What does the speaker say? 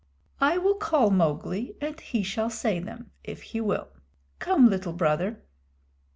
"I will call Mowgli and he shall say them if he will. Come, Little Brother!"